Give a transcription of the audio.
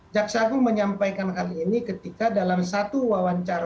jaksaku menyampaikan hal ini ketika dalam satu wawancara